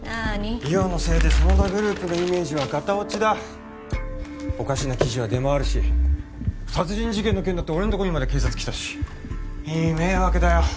梨央のせいで真田グループのイメージはガタ落ちだおかしな記事は出回るし殺人事件の件だって俺のとこにまで警察来たしいい迷惑だよ